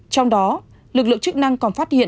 trong đó lực lượng chức năng còn phát hiện